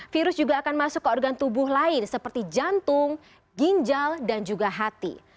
virus juga akan masuk ke organ tubuh lain seperti jantung ginjal dan juga hati